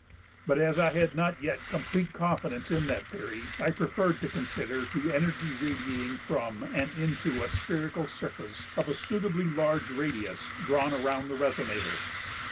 But as I had not yet complete confidence in that theory I preferred to consider the energy radiating from and into a spherical surface of a suitably large radius drawn around the resonator.